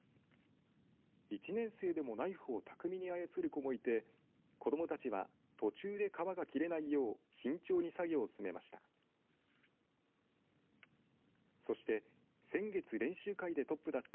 １年生でもナイフを巧みに操る子もいて子どもたちは途中で皮が切れないよう慎重に作業を進めました。